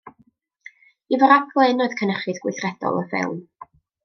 Ifor ap Glyn oedd cynhyrchydd gweithredol y ffilm.